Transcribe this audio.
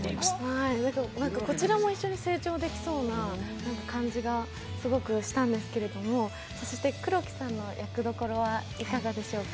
こちらも一緒に成長できそうな感じがすごくしたんですけども、そして黒木さんの役どころはいかがでしょうか？